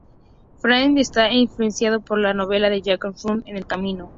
Firework está influenciado por la novela de Jack Kerouac, "En el camino".